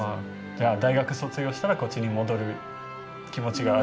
じゃあ大学卒業したらこっちに戻る気持ちがある？